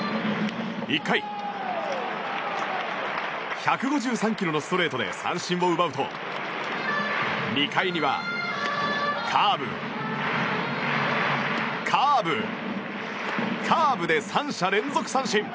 １回、１５３キロのストレートで三振を奪うと２回にはカーブ、カーブ、カーブで３者連続三振。